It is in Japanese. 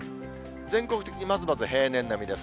全国的にまずまず平年並みです。